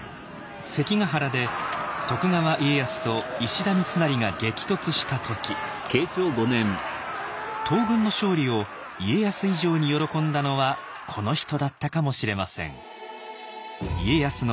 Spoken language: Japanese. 関ヶ原で徳川家康と石田三成が激突した時東軍の勝利を家康以上に喜んだのはこの人だったかもしれません。